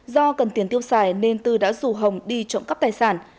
do cần tiền tiêu xài nên tư đã rủ hồng đi trộm cắp tài sản